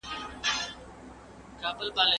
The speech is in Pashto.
انصاف نه دی ترافیک دي هم امام وي